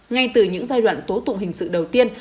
ngay từ những giai đoạn tố tụng hình sự đầu tiên